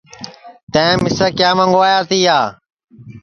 تیئں مِسے کیا منٚگوایا تیا